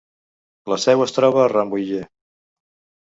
La seu es troba a Rambouillet.